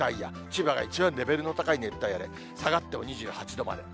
千葉が一番レベルの高い熱帯夜で、下がっても２８度まで。